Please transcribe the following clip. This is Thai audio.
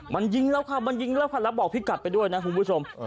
มันยิงแล้วค่ะมันยิงแล้วค่ะแล้วบอกพี่กัดไปด้วยนะคุณผู้ชม